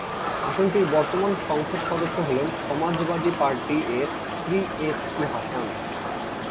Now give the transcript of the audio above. আসনটির বর্তমান সংসদ সদস্য হলেন সমাজবাদী পার্টি-এর শ্রী এস টি হাসান।